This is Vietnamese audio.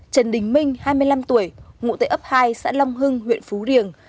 trần đình minh hai mươi năm tuổi ngụ tệ ấp hai xã long hưng huyện phú riềng